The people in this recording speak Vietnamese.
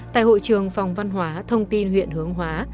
tại hội trường phòng văn hóa thông tin huyện hướng hóa